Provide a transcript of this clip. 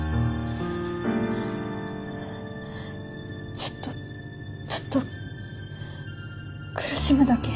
ずっとずっと苦しむだけ。